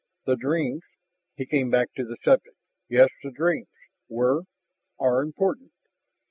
The dreams " he came back to the subject "Yes, the dreams were are important.